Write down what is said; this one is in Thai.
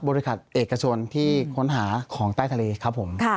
บริษัทเอกชนที่ค้นหาของใต้ทะเลครับผม